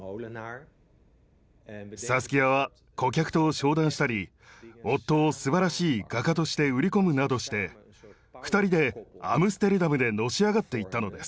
サスキアは顧客と商談したり夫をすばらしい画家として売り込むなどして２人でアムステルダムでのし上がっていったのです。